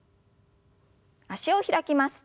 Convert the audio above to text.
脚を開きます。